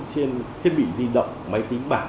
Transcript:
trên thiết bị di động máy tính bảng